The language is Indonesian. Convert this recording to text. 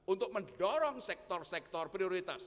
untuk mendorong sektor sektor prioritas